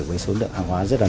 với số lượng hàng hóa rất là lớn